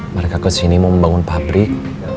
mereka kesini mau membangun pabrik